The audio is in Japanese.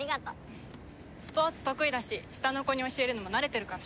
スポーツ得意だし下の子に教えるのも慣れてるから。